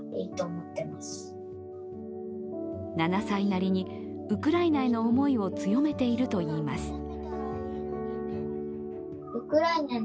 ７歳なりにウクライナへの思いを強めているといいます。